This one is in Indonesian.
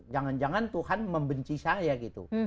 jangan jangan tuhan membenci saya gitu